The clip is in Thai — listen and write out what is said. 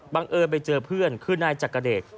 เอิญไปเจอเพื่อนคือนายจักรเดช